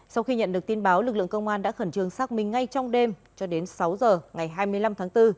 sau khi nhận được tin báo lực lượng công an đã khẩn trương xác minh ngay trong đêm cho đến sáu giờ ngày hai mươi năm tháng bốn